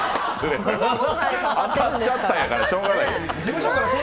当たっちゃったからしょうがないやん。